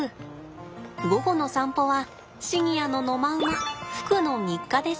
午後の散歩はシニアの野間馬福の日課です。